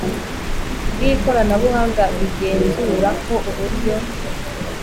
bw ikoranabuhanga bigenzura ko uburyo